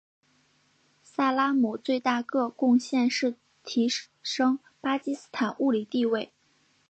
萨拉姆最大个贡献是提升巴基斯坦物理地位。